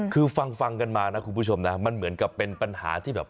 คือฟังกันมานะคุณผู้ชมนะมันเหมือนกับเป็นปัญหาที่แบบ